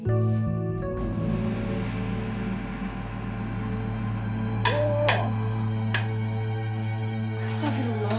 astagfirullah asli kenapa kamu nak sakit